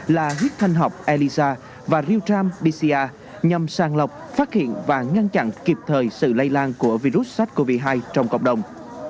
là huyết thanh học elisa và realm bcr nhằm sàng lọc phát hiện và ngăn chặn kịp thời sự lây lan của virus sars cov hai trong cộng đồng